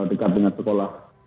dekat dengan sekolah